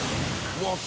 うわっ！